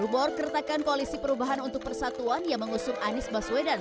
rumor keretakan koalisi perubahan untuk persatuan yang mengusung anies baswedan